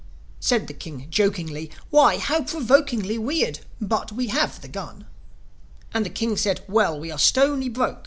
Said the King, jokingly, "Why, how provokingly Weird; but we have the gun." And the King said, "Well, we are stony broke."